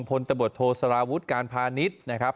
พลตะบดโทษราวุฒิการพาณิชย์นะครับ